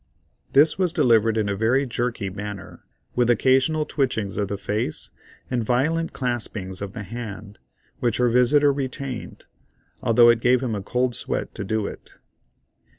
This was delivered in a very jerky manner, with occasional twitchings of the face and violent claspings of the hand, which her visitor retained, although it gave him a cold sweat to do it.